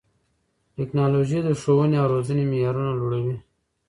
ټیکنالوژي د ښوونې او روزنې معیارونه لوړوي.